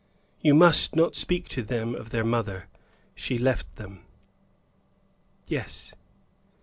"You must not speak to them of their mother. She left them." "Yes."